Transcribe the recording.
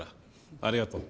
ありがとう。